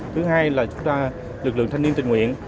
thứ hai là lực lượng thanh niên tình nguyện